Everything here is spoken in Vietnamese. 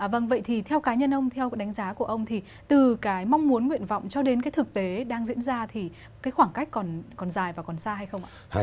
vâng vậy thì theo cá nhân ông theo đánh giá của ông thì từ cái mong muốn nguyện vọng cho đến cái thực tế đang diễn ra thì cái khoảng cách còn dài và còn xa hay không ạ